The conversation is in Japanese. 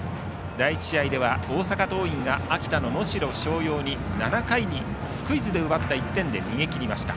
第１試合では大阪桐蔭が秋田の能代松陽に７回にスクイズで奪った１点で逃げ切りました。